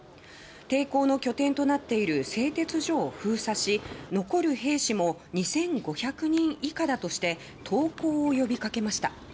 抵抗の拠点となっている製鉄所を封鎖し残る兵士も２５００人以下だとして投降を呼びかけました。